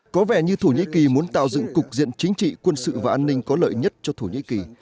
có vẻ như thổ nhĩ kỳ muốn tạo dựng cục diện chính trị quân sự và an ninh có lợi nhất cho thổ nhĩ kỳ